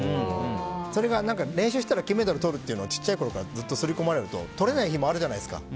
それが練習したら金メダルとれるというのをちっちゃいころからすりこまれるととれない日もあるじゃないですか。